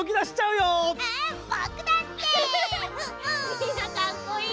みんなかっこいい。